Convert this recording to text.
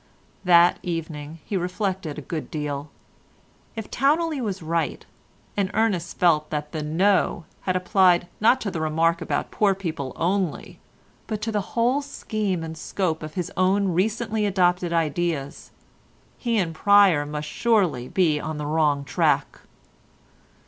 That evening he reflected a good deal. If Towneley was right, and Ernest felt that the "No" had applied not to the remark about poor people only, but to the whole scheme and scope of his own recently adopted ideas, he and Pryer must surely be on a wrong track.